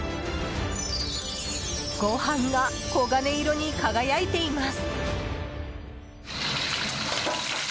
ご飯が黄金色に輝いています！